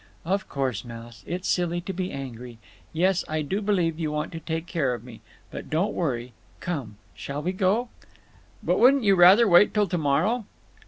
"Of course, Mouse. It's silly to be angry. Yes, I do believe you want to take care of me. But don't worry…. Come! Shall we go?" "But wouldn't you rather wait till to morrow?"